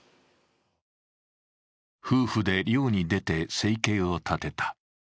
夫婦で漁に出て生計を立てた。